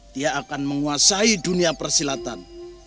dia akan menguasai dunia persilatan